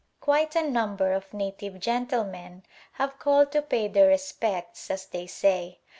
Quite a number of native gentlemen have called to pay their respects, as they say.